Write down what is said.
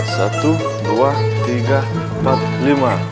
satu dua tiga top lima